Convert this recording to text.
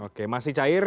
oke masih cair